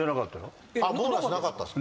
ボーナスなかったですか？